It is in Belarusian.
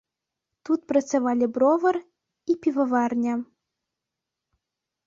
Тут працавалі бровар і піваварня.